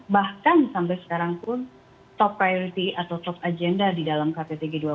bahkan sampai sekarang pun top priority atau top agenda di dalam kttg dua puluh